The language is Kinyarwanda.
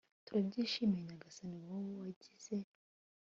turabyishimiye nyagasani wowe wagize